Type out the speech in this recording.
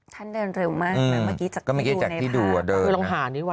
ท่านเดินเร็วมากนะเมื่อกี้จากที่ดูนายพระ